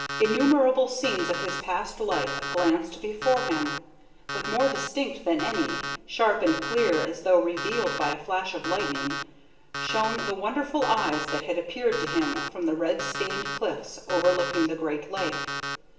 Innumerable scenes of his past life glanced before him, but more distinct than any, sharp and clear as though revealed by a flash of lightning, shone the wonderful eyes that had appeared to him from the red stained cliffs overlooking the great lake.